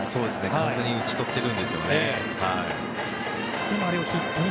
完全に打ち取っているんですよね。